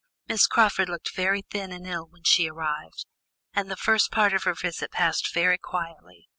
Miss Crawford looked very thin and ill when she arrived, and the first part of her visit passed very quietly.